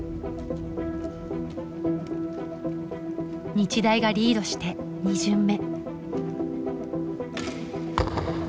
日大がリードして２巡目。